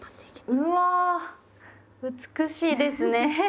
うわ美しいですね。